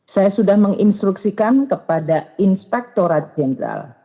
saya sudah menginstruksikan kepada inspektorat jenderal